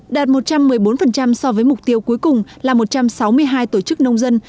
đạt một trăm một mươi bốn so với mục tiêu cuối cùng là một trăm sáu mươi hai tổ chức nông dân